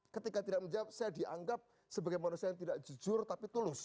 ketika tidak menjawab saya dianggap sebagai manusia yang tidak jujur tapi tulus